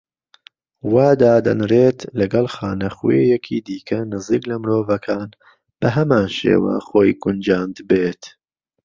وا دادەنرێت، لەگەڵ خانەخوێیەکی دیکە نزیک لە مرۆڤەکان بە هەمان شێوە خۆی گونجاندبێت.